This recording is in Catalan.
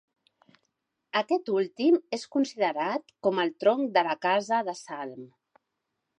Aquest últim és considerat com el tronc de la casa de Salm.